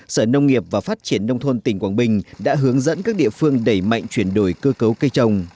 sở nông nghiệp và phát triển nông thôn tỉnh quảng bình đã hướng dẫn các địa phương đẩy mạnh chuyển đổi cơ cấu cây trồng